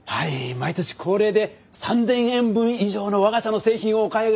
毎年恒例で３，０００円分以上の我が社の製品をお買い上げのお客様に。